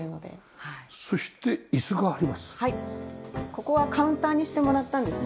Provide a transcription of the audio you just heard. ここはカウンターにしてもらったんですね。